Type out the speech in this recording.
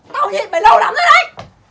tao nhìn mày lâu lắm rồi đấy